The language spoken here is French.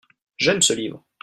j'aime ce livre.